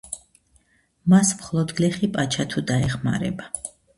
მას მხოლოდ გლეხი პაჩა თუ დაეხმარება.